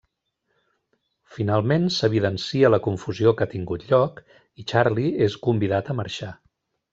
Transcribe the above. Finalment s'evidencia la confusió que ha tingut lloc i Charlie és convidat a marxar.